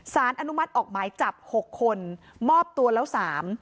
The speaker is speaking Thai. สารอนุมัติออกหมายจับหกคนมอบตัวแล้วสาม